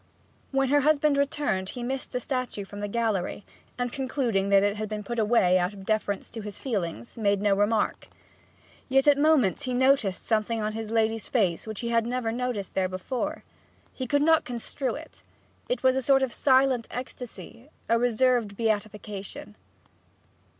When her husband returned he missed the statue from the gallery, and, concluding that it had been put away out of deference to his feelings, made no remark. Yet at moments he noticed something on his lady's face which he had never noticed there before. He could not construe it; it was a sort of silent ecstasy, a reserved beatification.